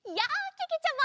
けけちゃま。